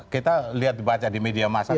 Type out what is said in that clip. kita lihat dibaca di media masa